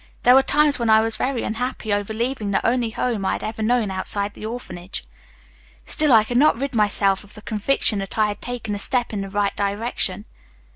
There were times when I was very unhappy over leaving the only home I had ever known, outside the orphanage. Still I could not rid myself of the conviction that I had taken a step in the right direction.